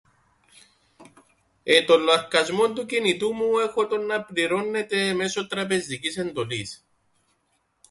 Ε, τον λοαρκασμόν του κινητού μου έχω τον να πληρώννεται μέσω τραπεζικής εντολής.